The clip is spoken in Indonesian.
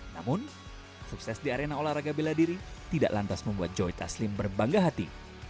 namun sukses di arena olahraga bela diri tidak lantas membuat joy taslim berbangga hati